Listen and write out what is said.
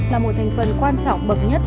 là một thành phần quan trọng bậc nhất